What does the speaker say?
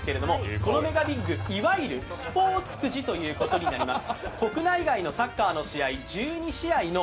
このＭＥＧＡＢＩＧ、いわゆるスポーツくじということになります。